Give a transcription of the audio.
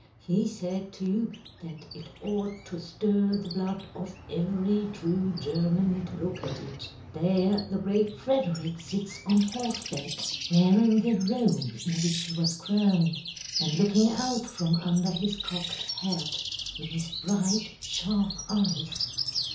He said, too, that it ought to stir the blood of every true German to look at it. There the great Frederick sits on horseback, wearing the robe in which he was crowned, and looking out from under his cocked hat with his bright, sharp eyes.